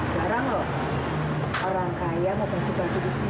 jarang lho orang kaya mau bagi bagi di sini